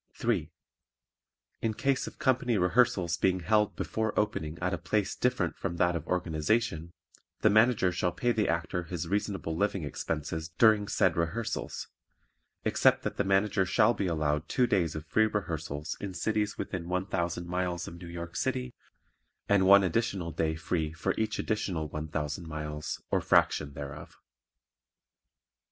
3. In case of company rehearsals being held before opening at a place different from that of organization, the Manager shall pay the Actor his reasonable living expenses during said rehearsals, except that the Manager shall be allowed two days of free rehearsals in cities within one thousand miles of New York City and one additional day free for each additional one thousand miles or fraction thereof.